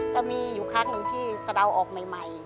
จะมีอยู่ครั้งหนึ่งที่สะเดาออกใหม่